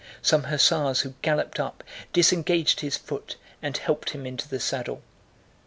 Some hussars who galloped up disengaged his foot and helped him into the saddle.